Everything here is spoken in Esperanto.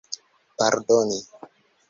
pardoni